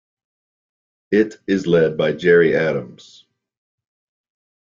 It is led by Gerry Adams.